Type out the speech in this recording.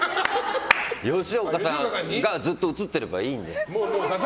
吉岡さんがずっと映っているからいいんですよ。